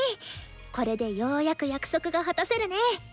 これでようやく約束が果たせるね！